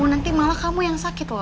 nanti malah kamu yang sakit loh